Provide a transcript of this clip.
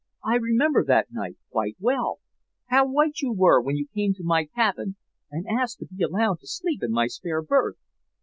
"I remember that night quite well, how white you were when you came to my cabin and asked to be allowed to sleep in my spare berth.